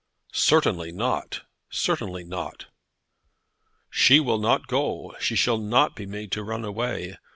"Certainly not; certainly not." "She will not go. She shall not be made to run away.